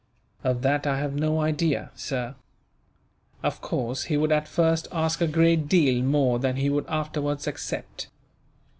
"Of that I can have no idea, sir. Of course, he would at first ask a great deal more than he would afterwards accept."